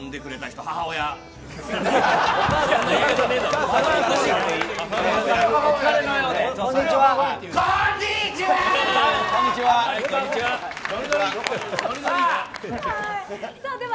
はい、こんにちは。